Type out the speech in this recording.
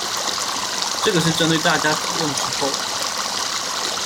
這個是針對大家討論之後